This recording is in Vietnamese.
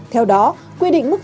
theo đó quy định mức phẩm